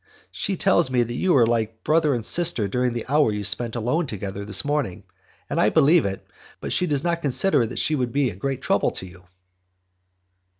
She tells me that you were like brother and sister during the hour you have spent alone together this morning, and I believe it, but she does not consider that she would be a great trouble to you."